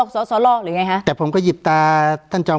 การแสดงความคิดเห็น